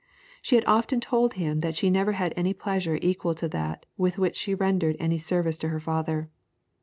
She had often told him that she never had any pleasure equal to that with which she rendered any service to her father.